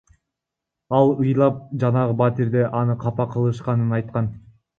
Ал ыйлап жанагы батирде аны капа кылышканын айткан.